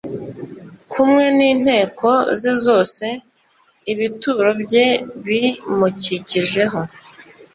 kumwe n inteko ze zose ibituro bye bimukikijeho